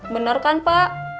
bener kan pak